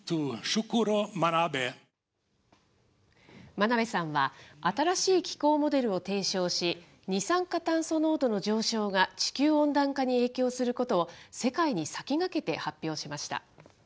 真鍋さんは新しい気候モデルを提唱し、二酸化炭素濃度の上昇が地球温暖化に影響することを、世界に先駆けて発表しました。